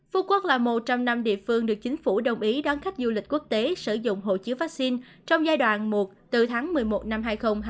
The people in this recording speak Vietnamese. phú quốc là một trong năm địa phương được chính phủ đồng ý đón khách du lịch quốc tế sử dụng hộ chiếu vaccine trong giai đoạn một từ tháng một mươi một năm hai nghìn hai mươi